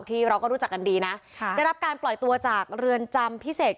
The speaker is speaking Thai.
ที่เราก็รู้จักกันดีนะค่ะได้รับการปล่อยตัวจากเรือนจำพิเศษ